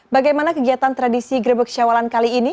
bagaimana kegiatan tradisi grebek syawalan kali ini